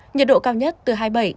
nhiệt độ cao nhất từ hai mươi bảy